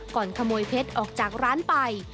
ก่อนขโมยเพชรออกจากร้านไป